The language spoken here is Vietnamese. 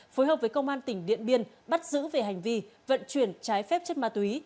phối hợp với công an tỉnh điện biên bắt giữ về hành vi vận chuyển trái phép chất ma túy